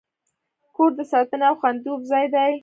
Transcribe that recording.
کور د ساتنې او خوندیتوب ځای دی.